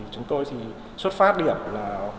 chúng tôi xuất phát điểm là